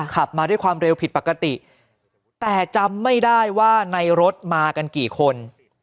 ขับมาด้วยความเร็วผิดปกติแต่จำไม่ได้ว่าในรถมากันกี่คน